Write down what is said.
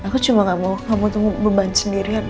aku cuma gak mau kamu tumbuh beban sendirian mas